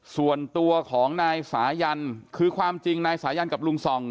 ส่วนตัวของนายสายันคือความจริงนายสายันกับลุงส่อง